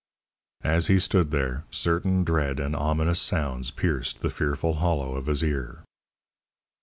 As he stood there, certain dread and ominous sounds pierced the fearful hollow of his ear.